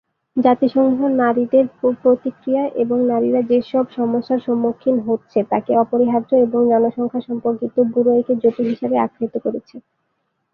জাতিসংঘ নারীদের প্রতিক্রিয়া এবং নারীরা যেসব সমস্যার সম্মুখীন হচ্ছে তাকে "অপরিহার্য" এবং জনসংখ্যা সম্পর্কিত ব্যুরো একে "জটিল" হিসেবে আখ্যায়িত করেছে।